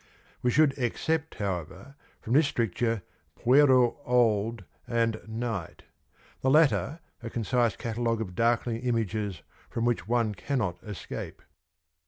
We should except, however, from this stricture ' Pierrot Old ' and 'Night' — the latter a concise catalogue of darkling images from which one cannot escape.